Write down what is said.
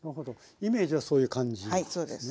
イメージはそういう感じなんですね。